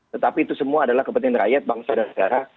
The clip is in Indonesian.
tetapi itu semua adalah kepentingan rakyat bangsa dan negara